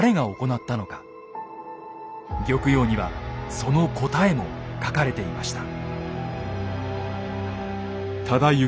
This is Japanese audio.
「玉葉」にはその答えも書かれていました。